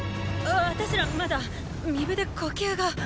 私らまだ巫舞で呼吸が。